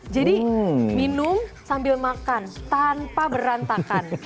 jadi minum sambil makan tanpa berantakan